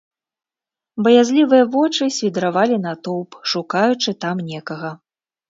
Баязлівыя вочы свідравалі натоўп, шукаючы там некага.